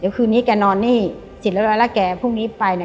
เดี๋ยวคืนนี้แกนอนนี่สินแล้วแล้วแล้วแกพรุ่งนี้ไปน่ะ